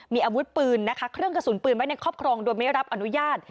มีอาวุธปืนนะคะเครื่องกระสุนปืนไว้ในครอบครองโดยไม่รับอนุญาต